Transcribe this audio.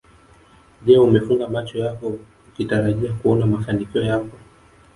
Je umefunga macho yako ukitarajia kuona mafanikio yako